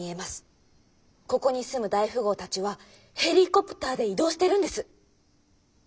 ここに住む大富豪たちはヘリコプターで移動してるんです。